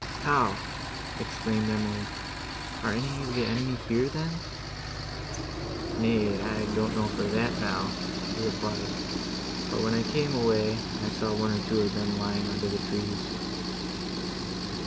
"How!" exclaimed Emily, "are any of the enemy here, then?" "Nay, I don't know for that, now," he replied, "but when I came away I saw one or two of them lying under the trees."